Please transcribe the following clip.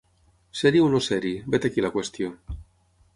Ser-hi o no ser-hi, vet aquí la qüestió.